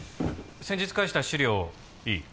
先日返した資料いい？